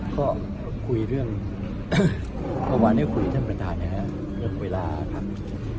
ก็คุยเรื่องเมื่อวานนี้คุยท่านประธานนะครับเรื่องเวลาครับ